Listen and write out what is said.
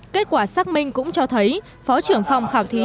kết quả xác minh cũng cho thấy phó trưởng phòng khảo thí